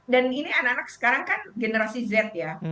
dan ini anak anak sekarang kan generasi z ya